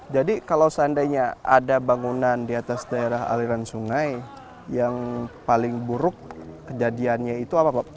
jadi kalau seandainya ada bangunan di atas daerah aliran sungai yang paling buruk kejadiannya itu apa pak